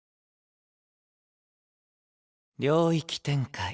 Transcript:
領域展開